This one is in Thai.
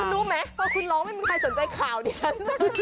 คุณรู้ไหมว่าคุณร้องไม่มีใครสนใจข่าวดิฉัน